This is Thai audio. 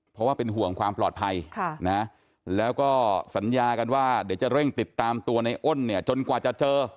เพราะว่าเป็นห่วงความปลอดภัยนะแล้วก็สัญญากันว่าเดี๋ยวจะเร่งติดตามตัวในอ้นเนี่ยจนกว่าจะเจอ